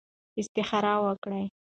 استخاره وکړئ.